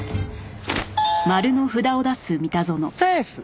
セーフ。